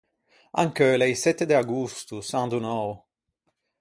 Ancheu l’é i sette de agosto, San Donou.